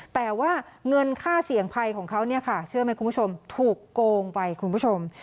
แต่ว่าเงินค่าเสี่ยงภัยของเขาเนี่ยค่ะเชื่อไหมคุณผู้ชมถูกโกงไปคุณผู้ชม